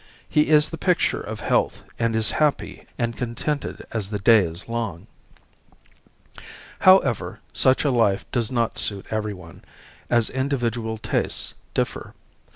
He is the picture of health and is happy and contented as the day is long. However, such a life does not suit everyone, as individual tastes differ.